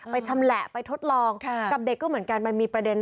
ชำแหละไปทดลองกับเด็กก็เหมือนกันมันมีประเด็น